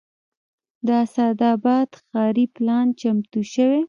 د اسداباد ښاري پلان چمتو شوی